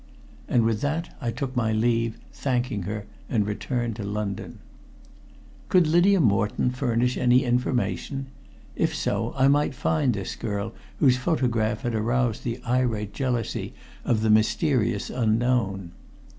And with that I took my leave, thanking her, and returned to London. Could Lydia Moreton furnish any information? If so, I might find this girl whose photograph had aroused the irate jealousy of the mysterious unknown.